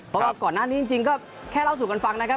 เพราะว่าก่อนหน้านี้จริงก็แค่เล่าสู่กันฟังนะครับ